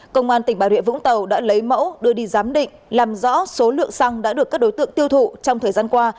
công an tỉnh bà rịa vũng tàu đã lấy mẫu đưa đi giám định làm rõ số lượng xăng đã được các đối tượng tiêu thụ trong thời gian qua